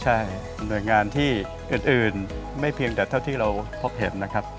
ใช่หน่วยงานที่อื่นไม่เพียงแต่เท่าที่เราพบเห็นนะครับ